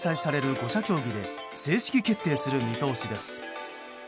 ５者協議で正式決定する見通しです。